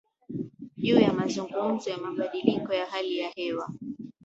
juu ya mazungumzo ya mabadiliko ya hali ya hewa